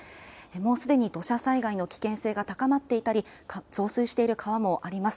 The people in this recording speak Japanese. もうすでに土砂災害の危険性が高まっていたり、増水している川もあります。